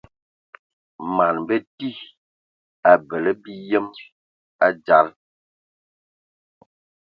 Man bəti abələ biyəm a dzal.